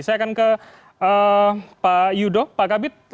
saya akan ke pak yudo pak kabit